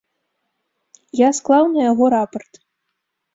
Я склаў на яго рапарт.